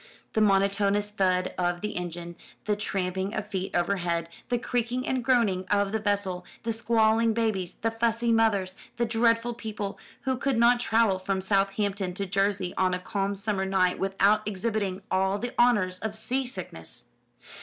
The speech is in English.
The monotonous thud of the engine, the tramping of feet overhead, the creaking and groaning of the vessel, the squalling babies, the fussy mothers, the dreadful people who could not travel from Southampton to Jersey on a calm summer night without exhibiting all the horrors of seasickness.